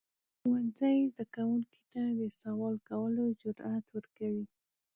ښوونځی زده کوونکو ته د سوال کولو جرئت ورکوي.